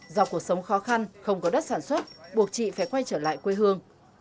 do cuộc sống khó khăn không có đất sản xuất buộc chị phải quay trở lại quê hương